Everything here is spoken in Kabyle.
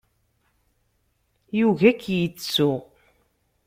Yugi ad k-yettu.